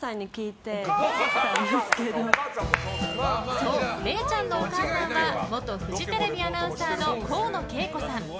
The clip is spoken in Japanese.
そう、れいちゃんのお母さんは元フジテレビアナウンサーの河野景子さん。